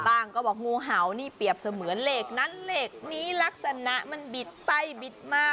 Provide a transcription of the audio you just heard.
ก็บอกงูเห่านี่เปรียบเสมือนเลขนั้นเลขนี้ลักษณะมันบิดไปบิดมา